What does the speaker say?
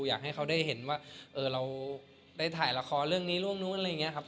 อยากให้เขาได้เห็นว่าเราได้ถ่ายละครเรื่องนี้เรื่องนู้นอะไรอย่างนี้ครับ